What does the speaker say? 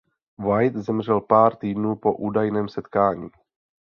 White zemřel pár týdnů po údajném setkání.